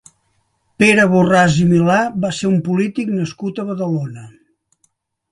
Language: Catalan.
Pere Borràs i Milà va ser un polític nascut a Badalona.